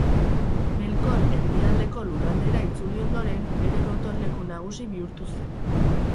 Melkor Erdialdeko Lurraldera itzuli ondoren bere gotorleku nagusi bihurtu zen.